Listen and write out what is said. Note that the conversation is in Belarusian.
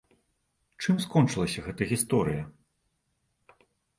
Чым скончылася гэта гісторыя?